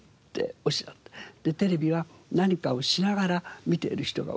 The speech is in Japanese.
「テレビは何かをしながら観ている人が多い」。